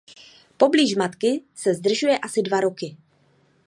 Poblíž matky se zdržuje asi dva roky.